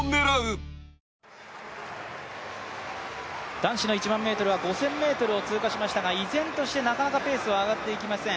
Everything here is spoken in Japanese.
男子の１００００ｍは５０００ｍを通過しましたが、依然としてなかなかペースは上がっていきません。